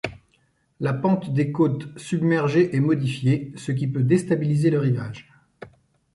La pente des côtes submergées est modifiée, ce qui peut déstabiliser le rivage.